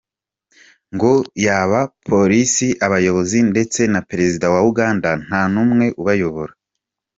Ngo yaba polisi, abayobozi ndetse na Perezida wa Uganda nta n’umwe ubayobora.